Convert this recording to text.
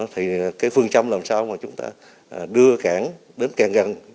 thì cái phương châm làm sao mà chúng ta đưa cảng đến càng gần